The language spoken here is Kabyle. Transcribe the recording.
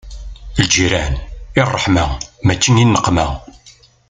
Lǧiran, i ṛṛeḥma mačči i nneqma.